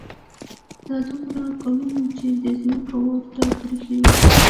دا دومره کلونه چې دې ځمکه ورته پرېښې وه.